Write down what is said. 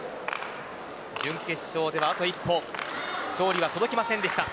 準決勝では、あと一歩勝利は届きませんでした。